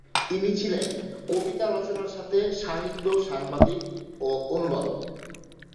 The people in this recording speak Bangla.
তিনি ছিলেন কবিতা রচনার সাথে সাহিত্য-সাংবাদিক ও অনুবাদক।